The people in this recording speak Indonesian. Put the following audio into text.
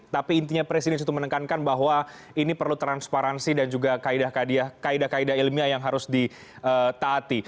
tapi intinya presiden itu menekankan bahwa ini perlu transparansi dan juga kaedah kaedah ilmiah yang harus ditaati